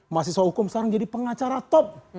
mahasiswa hukum sekarang jadi pengacara top